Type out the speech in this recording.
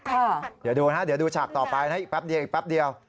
ค่ะเดี๋ยวดูนะเดี๋ยวดูฉากต่อไปนะอีกแป๊บเดียว